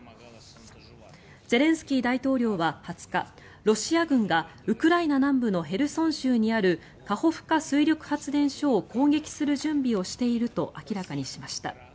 ゼレンスキー大統領は２０日ロシア軍がウクライナ南部のヘルソン州にあるカホフカ水力発電所を攻撃する準備をしていると明らかにしました。